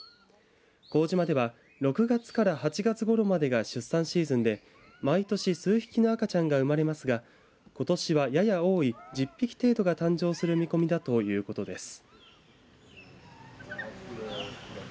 幸島では６月から８月ごろまでが出産シーズンで毎年数匹の赤ちゃんが生まれますがことしは、やや多い１０匹程度が誕生する見込みだということです。